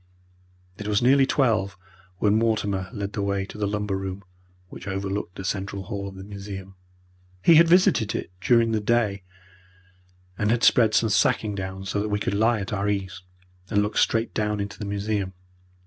It was nearly twelve when Mortimer led the way to the lumber room which overlooked the central hall of the museum. He had visited it during the day, and had spread some sacking so that we could lie at our ease, and look straight down into the museum.